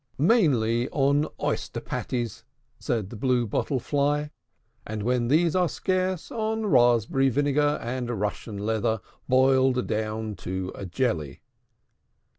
"Mainly on oyster patties," said the Blue Bottle Fly; "and, when these are scarce, on raspberry vinegar and Russian leather boiled down to a jelly."